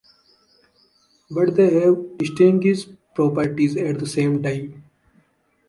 But they have distinguished properties at the same time.